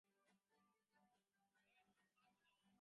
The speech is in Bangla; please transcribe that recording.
সেকারণেই তোমায় ফিরিয়ে আনার জন্য জোর করেছিলাম।